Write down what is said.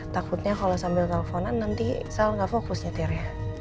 takutnya kalo sambil telfonan nanti sal gak fokus nyetir ya